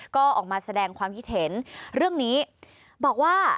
ก็ออกมาแสดงความคิดเห็นเรื่องนี้บอกว่า